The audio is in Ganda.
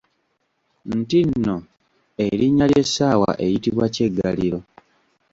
Nti nno erinnya ly’essaawa eyitibwa Kyeggaliro.